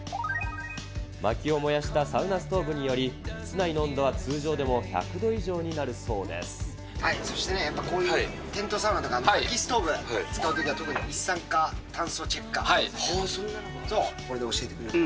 まきを燃やしたストーブにより、室内の温度は通常でも１００度以そしてね、やっぱこういうテントサウナとか、まきストーブ使うときは、一酸化炭素チェッカー、これで教えてくれる。